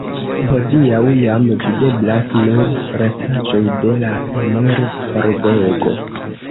Hodiaŭ jam videblas nur restaĵoj de la enir-pordego.